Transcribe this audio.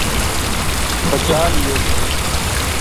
بچا لیو